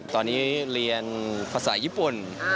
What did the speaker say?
ตอนนี้เรียนภาษาญี่ปุ่น